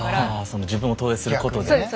その自分を投影することで。